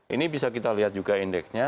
ini bisa kita lihat juga indeksnya